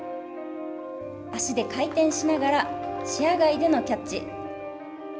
足で回転しながら視野外でのキャッチ。